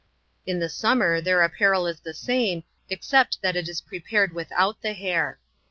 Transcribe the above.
In the summer their apparel is the same, ex cept that it is prepared without the hair.